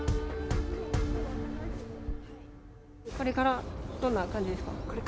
これからどんな感じですか。